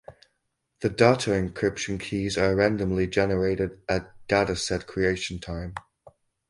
The data encryption keys are randomly generated at dataset creation time.